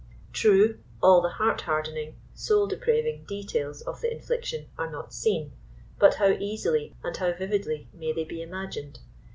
True, all the heart hardening, soul depraving details of the infliction are not seen, but how easily and how vividly may they be imagined.